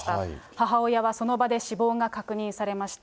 母親はその場で死亡が確認されました。